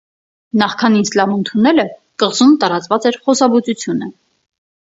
Նախքան իսլամ ընդունելը՝ կղզում տարածված էր խոզաբուծությունը։